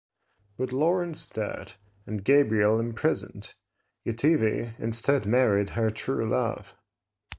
With Lorenz dead and Gabriel imprisoned, Yetive instead married her true love.